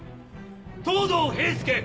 藤堂平助